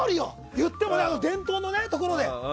言っても伝統のところで。